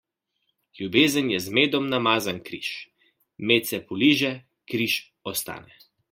Ljubezen je z medom namazan križ; med se poliže, križ ostane.